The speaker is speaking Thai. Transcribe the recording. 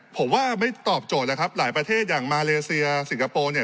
ผมว่าไม่ตอบโจทย์นะครับหลายประเทศอย่างมาเลเซียสิงคโปร์เนี่ย